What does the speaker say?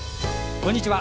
こんにちは。